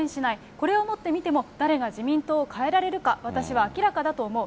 これをもってみても誰が自民党を変えられるか、私は明らかだと思う。